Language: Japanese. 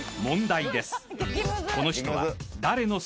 ［この人は］